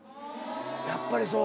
やっぱりそう？